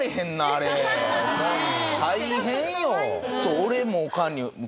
大変よ！